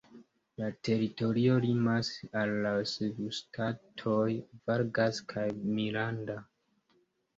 La teritorio limas al la subŝtatoj "Vargas" kaj "Miranda".